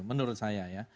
menurut saya ya